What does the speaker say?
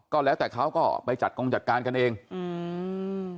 ก็แล้วแต่เขาก็ไปจัดกรงจัดการกันเองอืม